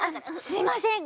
すいません。